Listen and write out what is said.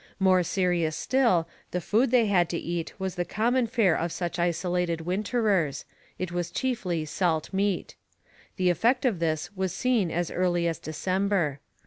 More serious still, the food they had to eat was the common fare of such isolated winterers; it was chiefly salt meat. The effect of this was seen as early as December.